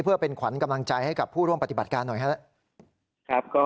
เพื่อเป็นขวัญกำลังใจให้กับผู้ร่วมปฏิบัติการหน่อยครับ